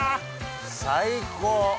最高！